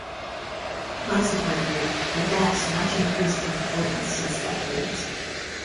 Consequently Ragatz much increased in importance since that date.